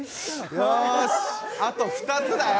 よしあと２つだよ